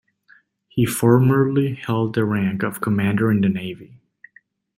He formerly held the rank of Commander in the Navy.